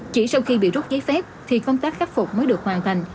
chỉ sau khi bị rút giấy phép thì công tác khắc phục mới được hoàn thành